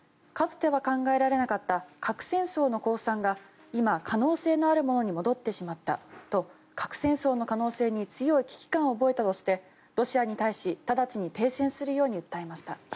かつては考えられなかった核戦争の公算が今、可能性のあるものに戻ってしまったと核戦争の可能性に強い危機感を覚えたとしてロシアに対し直ちに停戦するよう訴えました。